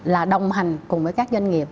là đồng hành cùng với các doanh nghiệp